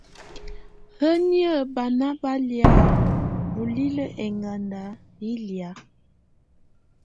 Hǝ́niǝ banà ba lɛ̀á bulilǝ́ ɛŋganda yɛ̀ lɛ̀á?